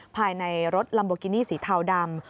ภายในรถลัมโบกินี่สีเทาดำ